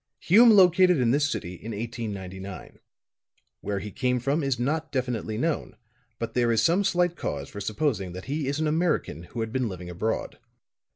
"Hume located in this city in 1899. Where he came from is not definitely known, but there is some slight cause for supposing that he is an American who had been living abroad.